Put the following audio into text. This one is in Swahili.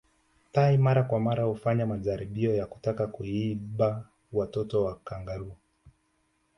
Tai mara kwa mara hufanya majaribio ya kutaka kuiba watoto wa kangaroo